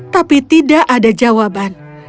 tapi tidak ada jawaban